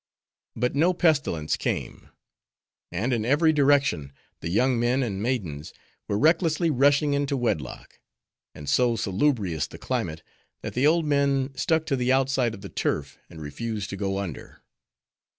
But no pestilence came. And in every direction the young men and maidens were recklessly rushing into wedlock; and so salubrious the climate, that the old men stuck to the outside of the turf, and refused to go under.